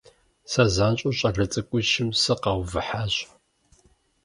Сэ занщӀэу щӀалэ цӀыкӀуищым сыкъаувыхьащ.